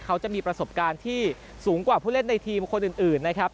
เขาจะมีประสบการณ์ที่สูงกว่าผู้เล่นในทีมคนอื่นนะครับ